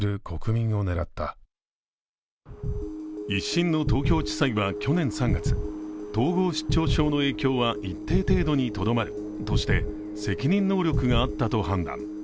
１審の東京地裁は去年３月、統合失調症の影響は一定程度にとどまるとして責任能力があったと判断。